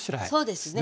そうですね。